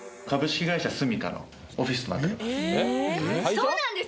そうなんです！